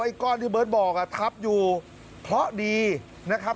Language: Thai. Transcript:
ก้อนที่เบิร์ตบอกอ่ะทับอยู่เพราะดีนะครับ